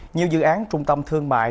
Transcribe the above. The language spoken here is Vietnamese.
nhiều dự án trung tâm thương mại